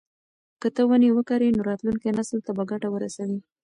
که ته ونې وکرې نو راتلونکي نسل ته به ګټه ورسوي.